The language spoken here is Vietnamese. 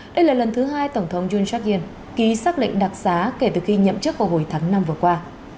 đây là lần thứ hai tổng thống yoon seok yien ký xác lệnh đặc xá kể từ khi nhậm chức hồi tháng năm vừa qua